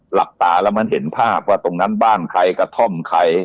หลับตาแล้วมันเห็นภาพว่าตรงนั้นบ้านใครกระท่อมใคร